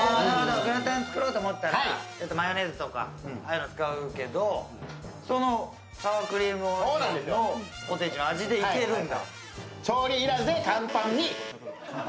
グラタン作ろうと思ったら、マヨネーズとかああいうの使うけどそのサワークリームオニオンのポテチの味でいけるんだ。